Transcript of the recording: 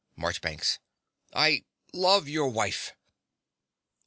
MARCHBANKS. I love your wife.